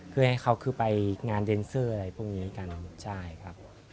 เพื่อให้เขาคือไปงานเดนเซอร์อะไรพวกนี้กันใช่ครับ